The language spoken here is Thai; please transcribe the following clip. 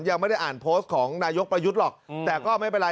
ยังไม่ได้อ่านโพสต์ของนายกประยุทธ์หรอกแต่ก็ไม่เป็นไร